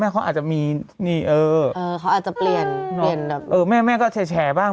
แม่เขาอาจจะมีนี่เออเออเขาอาจจะเปลี่ยนเปลี่ยนเออแม่แม่ก็แฉบ้าง